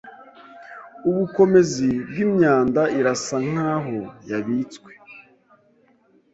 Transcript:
Ubukomezi bwimyanda irasa nkaho yabitswe